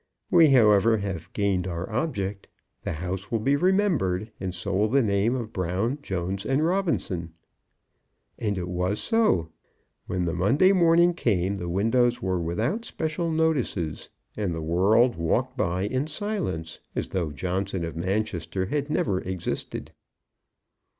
We, however, have gained our object. The house will be remembered, and so will the name of Brown, Jones, and Robinson." And it was so. When the Monday morning came the windows were without special notices, and the world walked by in silence, as though Johnson of Manchester had never existed.